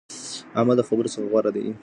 عمل د خبرو څخه غوره دی.